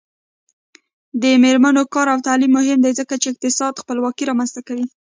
د میرمنو کار او تعلیم مهم دی ځکه چې اقتصادي خپلواکۍ رامنځته کوي.